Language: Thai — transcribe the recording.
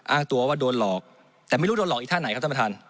อ้างตัวว่าโดนหลอกแต่ไม่รู้อีกท่านแหละ